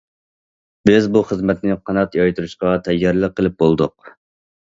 بىز بۇ خىزمەتنى قانات يايدۇرۇشقا تەييارلىق قىلىپ بولدۇق.